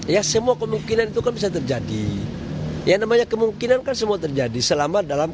ya semua kemungkinan itu kan bisa terjadi yang namanya kemungkinan kan semua terjadi selama dalam